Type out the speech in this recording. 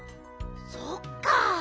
そっか。